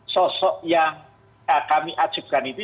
sosok yang kami ajukan ini